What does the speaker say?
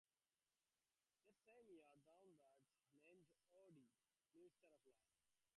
That same year, "Down Beat" named O'Day "New Star of the Year".